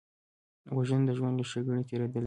وژنه د ژوند له ښېګڼې تېرېدل دي